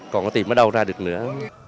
còn có tìm ở đâu ra được nữa